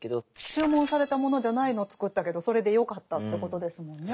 注文されたものじゃないのを作ったけどそれでよかったってことですもんね。